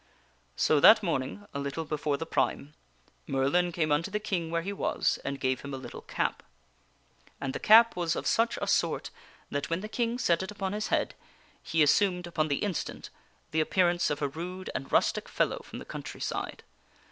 So that morning, a little before the prime, Merlin came unto the King where he was and gave him a little cap. And the cap was of such a sort that when the King set it upon his head he assumed, upon the instant, the appearance of a rude and rustic fellow from the country side.